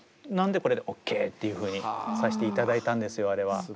なんでこれでＯＫっていうふうにさしていただいたんですよあれは。